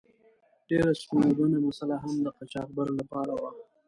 ډیره ستونزمنه مساله هم د قاچاقبر له پاره وه.